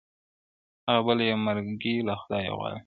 هغه بله یې مرګی له خدایه غواړي -